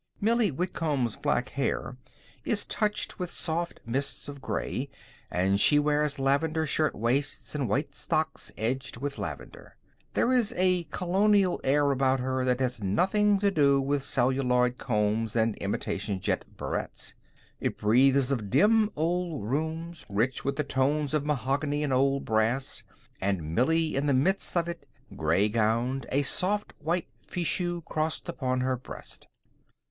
Millie Whitcomb's black hair is touched with soft mists of gray, and she wears lavender shirtwaists and white stocks edged with lavender. There is a Colonial air about her that has nothing to do with celluloid combs and imitation jet barrettes. It breathes of dim old rooms, rich with the tones of mahogany and old brass, and Millie in the midst of it, gray gowned, a soft white fichu crossed upon her breast.